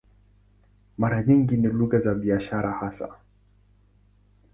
Mara nyingi ni lugha za biashara hasa.